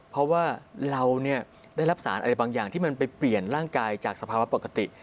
เพราะว่าเราได้รับสารอะไรบางอย่างที่มันไปเปลี่ยนร่างกายจากสภาวะปกติ